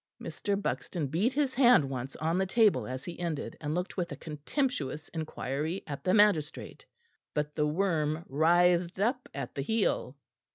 Mr. Buxton beat his hand once on the table as he ended, and looked with a contemptuous inquiry at the magistrate. But the worm writhed up at the heel.